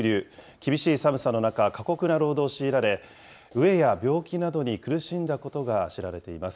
厳しい寒さの中、過酷な労働を強いられ、飢えや病気などに苦しんだことが知られています。